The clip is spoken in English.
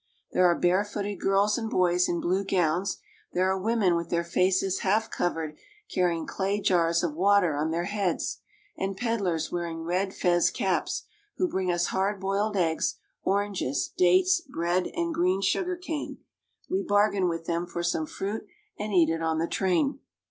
There are barefooted girls and boys in blue gowns ; there are women with their faces half covered carrying clay jars of water on their heads ; and peddlers wearing red fez caps, who bring us hard boiled eggs, oranges, dates, bread, and green sugar cane. We bargain with them for some fruit and eat it on the train.